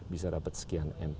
bisa dapat sekian m